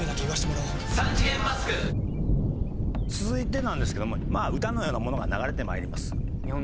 続いてなんですけども歌のようなものが流れてまいります。